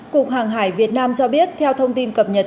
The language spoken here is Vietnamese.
cục hàng hải việt nam cho biết theo thông tin cập nhật